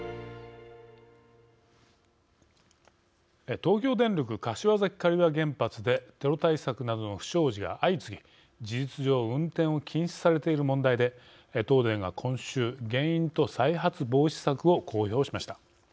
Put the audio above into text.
東京電力・柏崎刈羽原発でテロ対策などの不祥事が相次ぎ事実上、運転を禁止されている問題で東電が今週原因と再発防止策を公表しました。